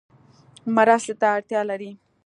مرستې ته اړتیا لری؟